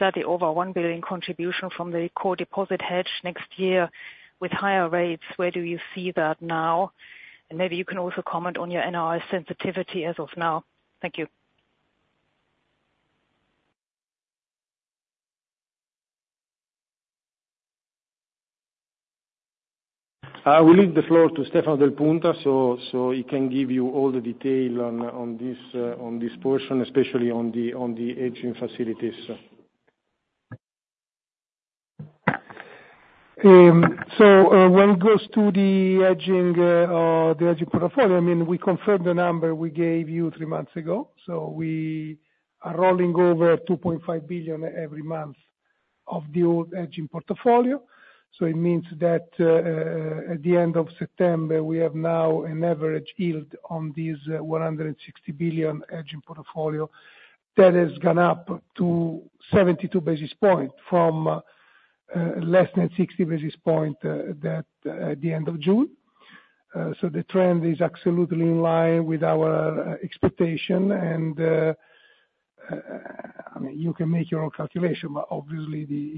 something over 1 billion contribution from the core deposit hedge next year with higher rates. Where do you see that now? And maybe you can also comment on your NII sensitivity as of now. Thank you. I will leave the floor to Stefano Del Punta, so he can give you all the detail on this portion, especially on the hedging facilities. So, when it goes to the hedging, the hedging portfolio, I mean, we confirmed the number we gave you three months ago. So we are rolling over 2.5 billion every month of the old hedging portfolio. So it means that, at the end of September, we have now an average yield on these, 160 billion hedging portfolio. That has gone up to 72 basis points from, less than 60 basis points, that, at the end of June. So the trend is absolutely in line with our, expectation. And, I mean, you can make your own calculation, but obviously the,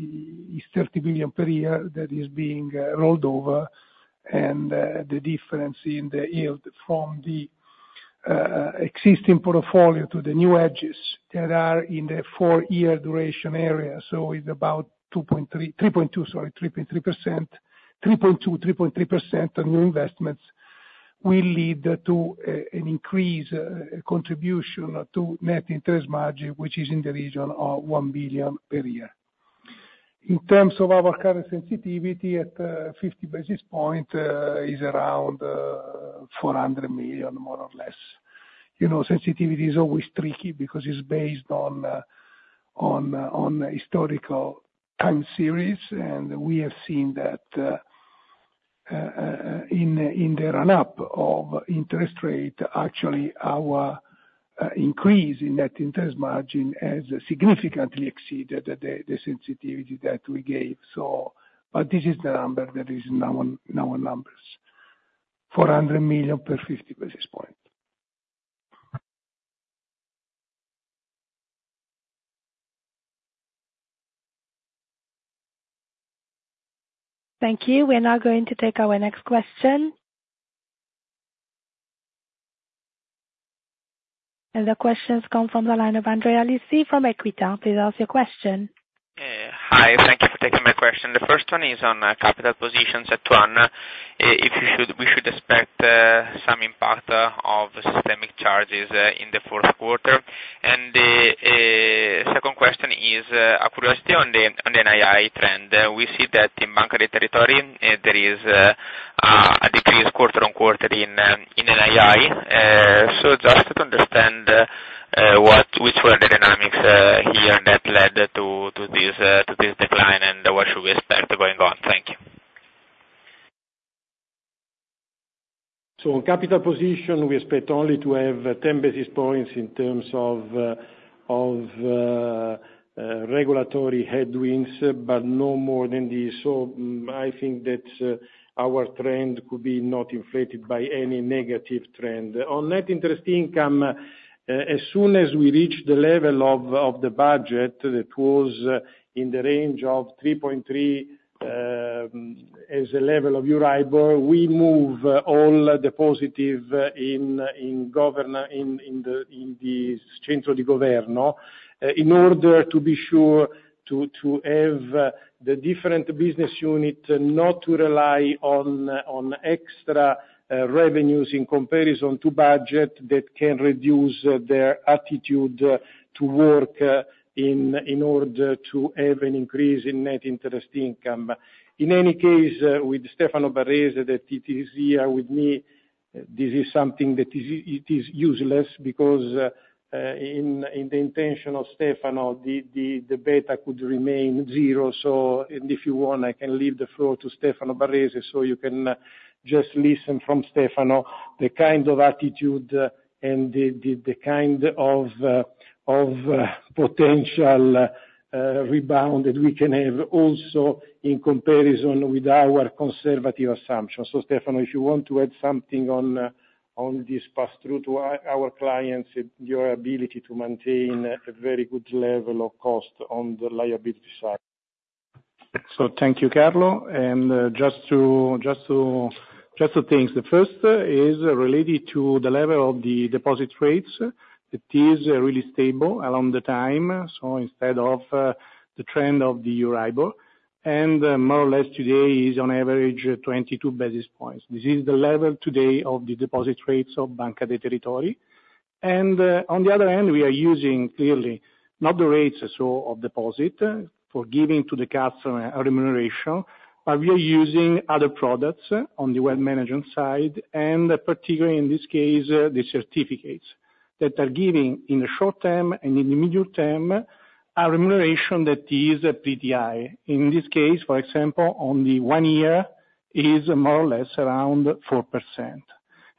it's 30 billion per year that is being, rolled over. The difference in the yield from the existing portfolio to the new hedges that are in the four-year duration area. So it's about 2.3, 3.2, sorry, 3.2 to 3.3%, 3.2-3.3% on new investments will lead to an increase contribution to net interest margin, which is in the region of 1 billion per year. In terms of our current sensitivity at 50 basis point is around 400 million, more or less. You know, sensitivity is always tricky because it's based on historical time series, and we have seen that in the run-up of interest rate, actually, our increase in net interest margin has significantly exceeded the sensitivity that we gave. This is the number that is now on numbers, 400 million per 50 basis point. Thank you. We are now going to take our next question. The question comes from the line of Andrea Lisi from Equita. Please ask your question. Hi. Thank you for taking my question. The first one is on, capital position, CET1. If you should, we should expect, some impact, of systemic charges, in the fourth quarter? And, second question is, outlook on the, on the NII trend. We see that in Banca dei Territori, there is, a decrease quarter-on-quarter in, in NII. So just to understand, what, which were the dynamics, here that led to, to this, to this decline, and what should we expect going on? Thank you. On capital position, we expect only to have 10 basis points in terms of regulatory headwinds, but no more than this. I think that our trend could be not inflated by any negative trend. On net interest income, as soon as we reach the level of the budget, it was in the range of 3.3 as a level of Euribor, we move all the positive in the Centro di Governo in order to be sure to have the different business unit not to rely on extra revenues in comparison to budget that can reduce their attitude to work in order to have an increase in net interest income. In any case, with Stefano Barrese, that he is here with me, this is something that it is useless because, in the intention of Stefano, the beta could remain zero. So, and if you want, I can leave the floor to Stefano Barrese, so you can just listen from Stefano, the kind of attitude, and the kind of potential rebound that we can have also in comparison with our conservative assumptions. So, Stefano, if you want to add something on this pass-through to our clients, your ability to maintain a very good level of cost on the liability side. So thank you, Carlo, and just some things. The first is related to the level of the deposit rates. It is really stable along the time, so instead of the trend of the Euribor, and more or less today is on average 22 basis points. This is the level today of the deposit rates of Banca dei Territori. And on the other hand, we are using clearly not the rates of deposit for giving to the customer a remuneration, but we are using other products on the wealth management side, and particularly in this case, the certificates, that are giving in the short term and in the medium term, a remuneration that is a appealing. In this case, for example, on the one year, is more or less around 4%.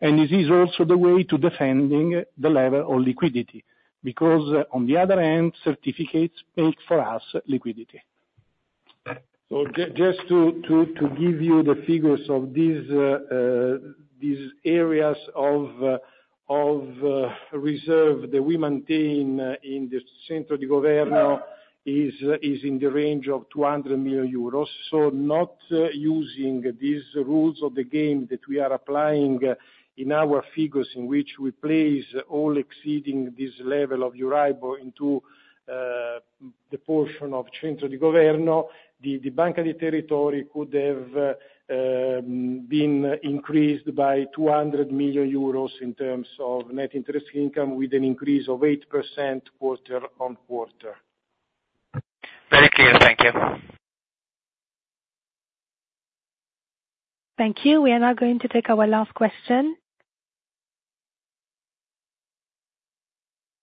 This is also the way to defending the level of liquidity, because on the other hand, certificates make for us liquidity. So just to give you the figures of these areas of reserve that we maintain in the Centro di Governo is in the range of 200 million euros. So not using these rules of the game that we are applying in our figures, in which we place all exceeding this level of Euribor into the portion of Centro di Governo, the Banca dei Territori could have been increased by 200 million euros in terms of net interest income, with an increase of 8% quarter-on-quarter. Very clear. Thank you. Thank you. We are now going to take our last question.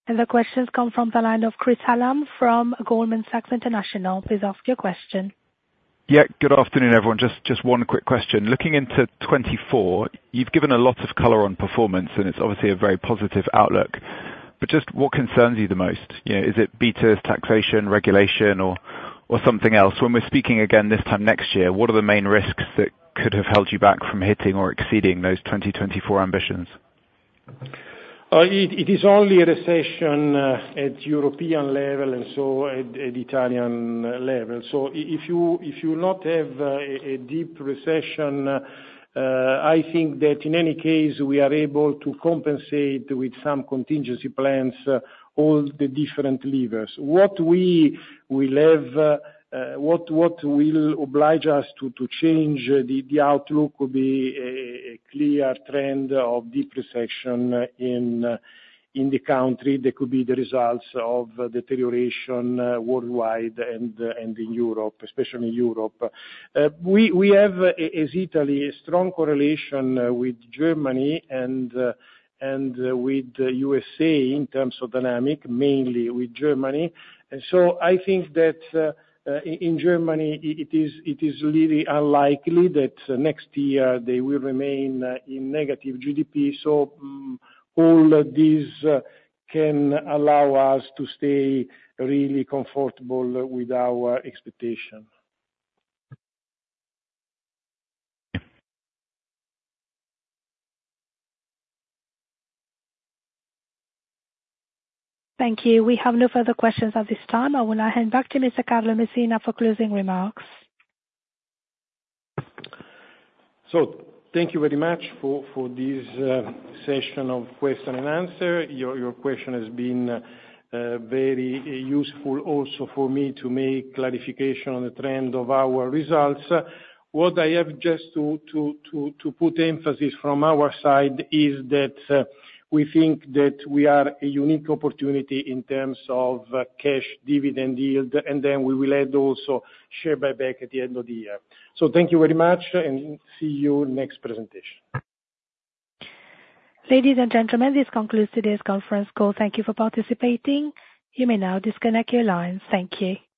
The question comes from the line of Chris Hallam from Goldman Sachs International. Please ask your question. Yeah, good afternoon, everyone. Just, just one quick question. Looking into 2024, you've given a lot of color on performance, and it's obviously a very positive outlook, but just what concerns you the most? You know, is it betas, taxation, regulation or, or something else? When we're speaking again this time next year, what are the main risks that could have held you back from hitting or exceeding those 2024 ambitions? It is only a recession at European level, and so at Italian level. So if you not have a deep recession, I think that in any case, we are able to compensate with some contingency plans all the different levers. What will oblige us to change the outlook will be a clear trend of deep recession in the country. That could be the results of deterioration worldwide and in Europe, especially in Europe. We have, as Italy, a strong correlation with Germany and with USA in terms of dynamic, mainly with Germany. And so I think that in Germany, it is really unlikely that next year they will remain in negative GDP. All this can allow us to stay really comfortable with our expectation. Thank you. We have no further questions at this time. I will now hand back to Mr. Carlo Messina for closing remarks. So thank you very much for this session of question and answer. Your question has been very useful also for me to make clarification on the trend of our results. What I have just to put emphasis from our side is that we think that we are a unique opportunity in terms of cash dividend yield, and then we will add also share buyback at the end of the year. So thank you very much, and see you next presentation. Ladies and gentlemen, this concludes today's conference call. Thank you for participating. You may now disconnect your lines. Thank you.